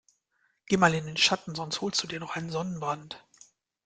Geh mal in den Schatten, sonst holst du dir noch einen Sonnenbrand.